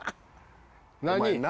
何？